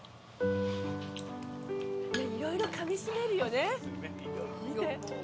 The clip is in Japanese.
いろいろかみしめるよね。